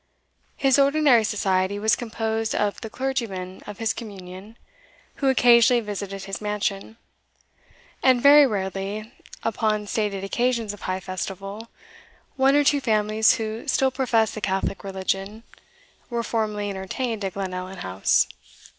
His ordinary society was composed of the clergyman of his communion, who occasionally visited his mansion; and very rarely, upon stated occasions of high festival, one or two families who still professed the Catholic religion were formally entertained at Glenallan House.